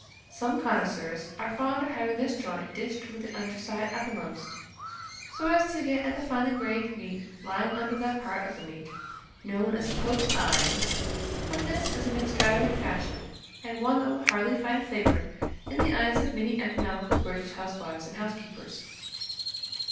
Some connoisseurs are fond of having this joint dished with the under side uppermost, so as to get at the finely grained meat lying under that part of the meat, known as the Pope's eye; but this is an extravagant fashion, and one that will hardly find favour in the eyes of many economical British housewives and housekeepers.